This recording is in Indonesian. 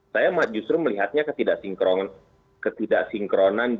saya justru melihatnya ketidaksinkronan